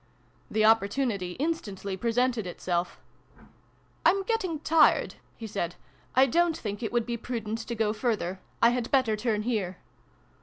The opportunity instantly presented itself. " I'm getting tired," he said. " I don't think it would be prudent to go further. I had better turn here.